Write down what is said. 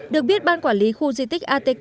được biết ban quản lý khu di tích atk